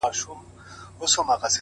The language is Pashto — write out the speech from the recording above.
یو بوډا مي وو لیدلی،